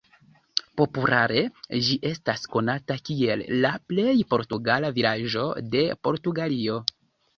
Populare ĝi estas konata kiel la""plej portugala vilaĝo de Portugalio"".